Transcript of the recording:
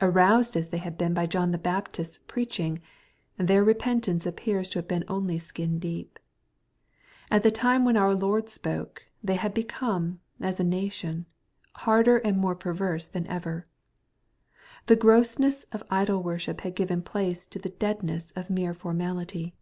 Aroused as they had been by John the Bap tist's preaching, their repentance appears to have been only skin deep. At the time when our Lord spoke, they had become, as a nation, harder and more perverse than ever. The grossness of idol worship had given place to the deadness of mere formality.